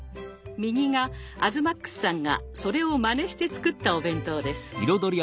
右が東ＭＡＸさんがそれをまねして作ったお弁当です。